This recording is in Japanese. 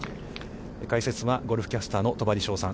解説はゴルフキャスターの戸張捷さん。